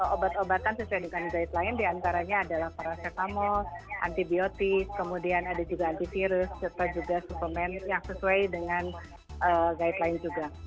obat obatan sesuai dengan guide lain diantaranya adalah paracetamol antibiotik kemudian ada juga antivirus serta juga suplemen yang sesuai dengan guide lain juga